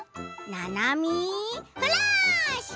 「ななみフラッシュ」。